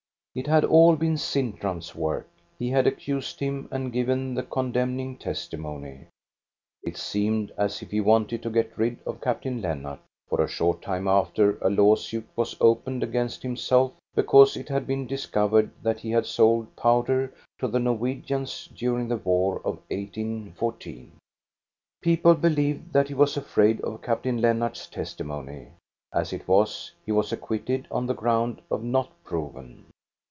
It had all been Sintram's work. He had accused him, and given the con demning testimony. It seemed as if he wanted to get rid of Captain Lennart, for a short time after a law suit was opened against himself, because it had been discovered that he had sold powder to the r GOD'S WAYFARER 339 Norwegians during the war of 1814. People believed that he was afraid of Captain Lennart's testimony. As it was, he was acquitted on the ground of not proven.